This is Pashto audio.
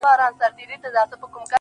دا ستا پر ژوند در اضافه كي گراني